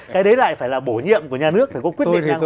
cái đấy lại phải là bổ nhiệm của nhà nước phải có quyết định ngang hoa